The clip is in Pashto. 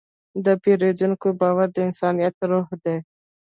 د پیرودونکي باور د انسانیت روح دی.